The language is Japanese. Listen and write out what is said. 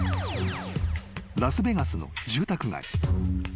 ［ラスベガスの住宅街］